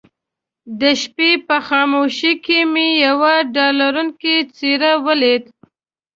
د شپې په خاموشۍ کې مې يوه ډارونکې څېره وليده.